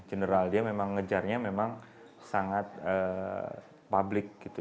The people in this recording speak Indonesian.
general dia memang ngejarnya memang sangat public gitu